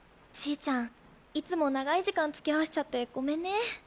ちぃちゃんいつも長い時間つきあわせちゃってごめんね。